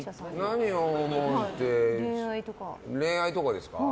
何を思うって、恋愛とかですか。